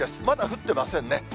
まだ降ってませんね。